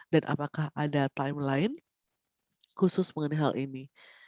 dan apakah ada timeline khusus mengenai hal ini